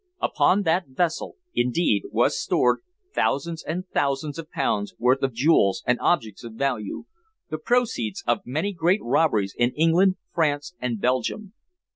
Upon that vessel, indeed, was stored thousands and thousands of pounds' worth of jewels and objects of value, the proceeds of many great robberies in England, France and Belgium.